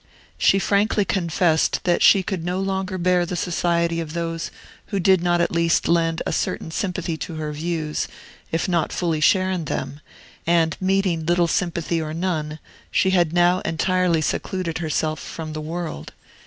She frankly confessed that she could no longer bear the society of those who did not at least lend a certain sympathy to her views, if not fully share in them; and meeting little sympathy or none, she had now entirely secluded herself from the world.